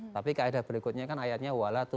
tapi kaedah berikutnya kan ayatnya walatu